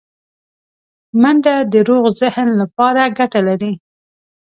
منډه د روغ ذهن لپاره ګټه لري